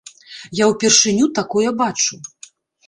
Я ўпершыню такое бачу.